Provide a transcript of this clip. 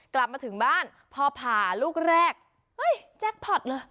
กลับมาถึงบ้านพอผ่าลูกแรกเฮ้ยแจ็คพอร์ตเลย